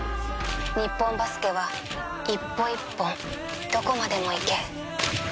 日本バスケは１歩、１本、どこまでも行け